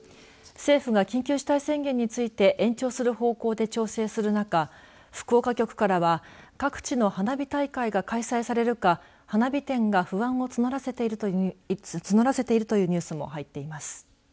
政府が緊急事態宣言について延長する方向で調整する中福岡局からは各地の花火大会が開催されるか花火店が不安を募らせているというニュースも入っています。